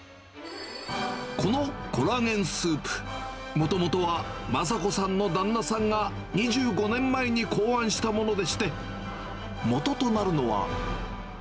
このコラーゲンスープ、もともとはマサ子さんの旦那さんが２５年前に考案したものでして、もととなるのは。